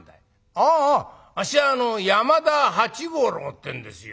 「あああっしは山田八五郎ってんですよ」。